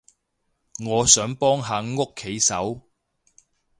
我想幫下屋企手